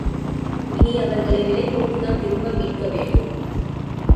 இனி அவர்களை விலைகொடுத்துதான் திரும்ப மீட்கவேண்டும்.